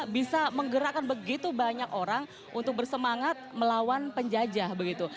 bisa menggerakkan begitu banyak orang untuk bersemangat melawan penjajah begitu